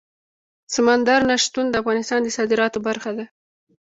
سمندر نه شتون د افغانستان د صادراتو برخه ده.